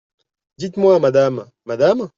Dites-moi, madame,… madame ?